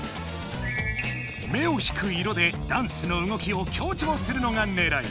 目を引く色でダンスの動きを強調するのがねらい。